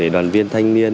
để đoàn viên thanh niên